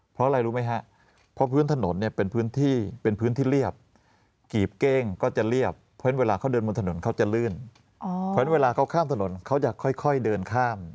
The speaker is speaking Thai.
เพราะอะไรรู้ไหมฮะเพราะพื้นถนนเนี่ยเป็นพื้นที่เป็นพื้นที่เรียบกีบเก้งก็จะเรียบเพราะฉะนั้นเวลาเขาเดินบนถนนเขาจะลื่นเพราะฉะนั้นเวลาเขาข้ามถนนเขาจะค่อยเดินข้าม